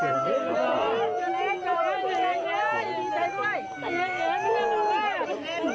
เห็นแล้วเห็นแล้ว